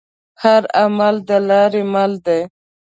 هر عمل دلارې مل دی.